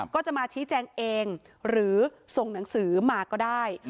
ก็จะมาชี้แจงเองหรือส่งหนังสือมาก็ได้